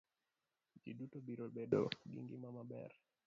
Ji duto biro bedo gi ngima ma ber.